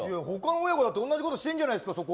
他の親子だって同じことしてるじゃないですか。